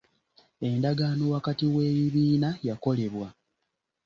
Endagaano wakati w'ebibiina yakolebwa.